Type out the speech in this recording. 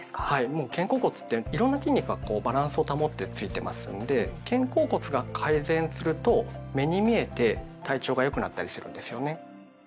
もう肩甲骨っていろんな筋肉がバランスを保ってついてますんで肩甲骨が改善すると目に見えて体調がよくなったりするんですよね。